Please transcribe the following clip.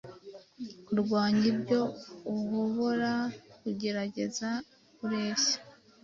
Kurwanya ibyo uhobora kugerageza, kurehya,